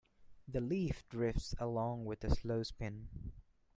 The leaf drifts along with a slow spin.